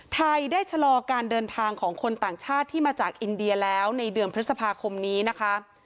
ไทยได้ชะลอการเดินทางของคนต่างชาติที่มาจากอินเดียแล้วในเดือนพฤษภาคมนี้นะคะ